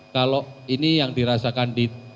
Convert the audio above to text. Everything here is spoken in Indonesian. kalau ini yang dirasakan